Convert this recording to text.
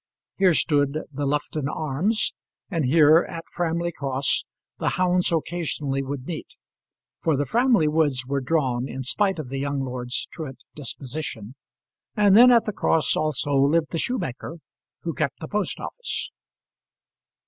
Here stood the "Lufton Arms," and here, at Framley Cross, the hounds occasionally would meet; for the Framley woods were drawn in spite of the young lord's truant disposition; and then, at the Cross also, lived the shoemaker, who kept the post office.